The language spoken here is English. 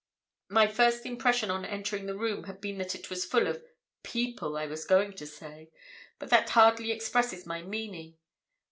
"My first impression on entering the room had been that it was full of—people, I was going to say; but that hardly expresses my meaning.